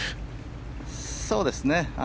そうですね。